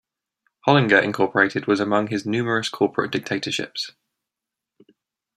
Hollinger Incorporated was among his numerous corporate directorships.